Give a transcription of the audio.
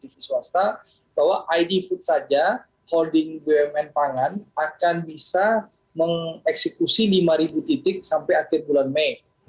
tv swasta bahwa id food saja holding bumn pangan akan bisa mengeksekusi lima titik sampai akhir bulan mei